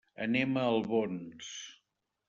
Anem a Albons.